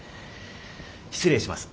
失礼します。